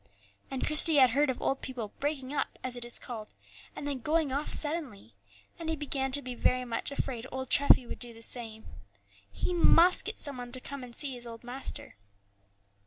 And Christie had heard of old people "breaking up," as it is called, and then going off suddenly; and he began to be very much afraid old Treffy would do the same. He must get some one to come and see his old master.